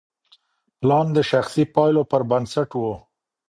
پلان د شخصي پایلو پر بنسټ و.